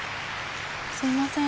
すいません。